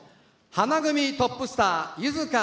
花組トップスター柚香